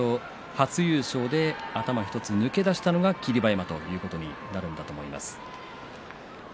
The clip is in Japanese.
初優勝で頭１つ抜け出したのが霧馬山ということになるんだと思います。